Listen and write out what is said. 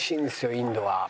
インドは。